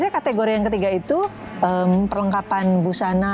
jadi memang harus diping mangsa mangsa kita